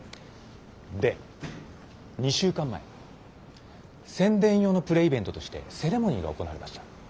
で２週間前宣伝用のプレイベントとしてセレモニーが行われました。